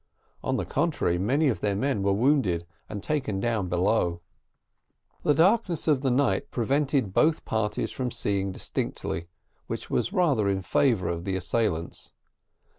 On the contrary, many of their men were wounded and taken down below. The darkness of the night prevented both parties from seeing distinctly, which was rather in favour of the assailants.